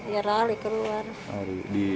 ya ralik keluar